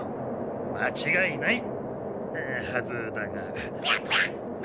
まちがいない！はずだが。